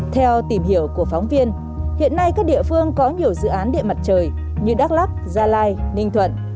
theo tìm hiểu của phóng viên hiện nay các địa phương có nhiều dự án điện mặt trời như đắk lắc gia lai ninh thuận